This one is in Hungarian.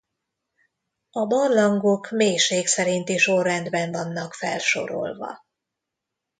A barlangok mélység szerinti sorrendben vannak felsorolva.